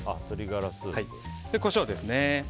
コショウですね。